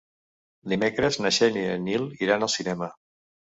Dimecres na Xènia i en Nil iran al cinema.